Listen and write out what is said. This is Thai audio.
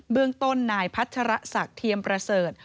เรื่องต้นนายพัชรศักดิ์เทียมประเสริฐ